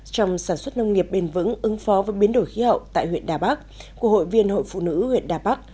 trong sản xuất nông nghiệp bền vững ứng phó với biến đổi khí hậu tại huyện đà bắc của hội viên hội phụ nữ huyện đà bắc